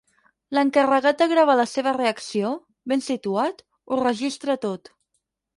L'encarregat de gravar la seva reacció, ben situat, ho registra tot.